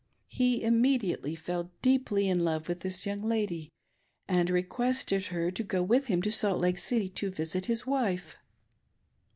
He immediately fell deeply in love with this young lady and requested her to go with him to Salt Lake City to visit his wife.